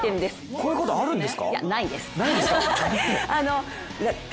こういうことあるんですか？